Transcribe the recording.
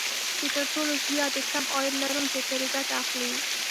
چې تر ټولو زيات د کم عاید لرونکي ترې ګټه اخلي